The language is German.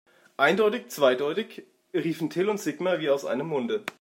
Eindeutig zweideutig, riefen Till und Sigmar wie aus einem Munde.